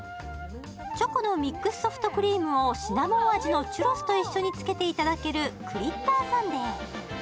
チョコのミックスソフトクリームをシナモン味のチュロスと一緒につけていただけるクリッター・サンデー。